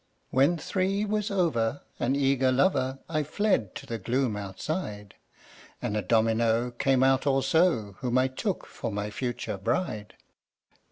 When Three was over, an eager lover, I fled to the gloom outside; And a Domino came out also Whom I took for my future bride.